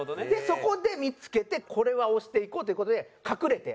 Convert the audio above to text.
そこで見付けてこれは推していこうという事で隠れて。